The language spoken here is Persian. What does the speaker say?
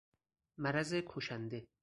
مرض کشنده